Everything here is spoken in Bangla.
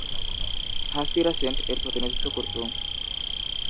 হাস্কিরা সেন্ট এর প্রতিনিধিত্ব করত।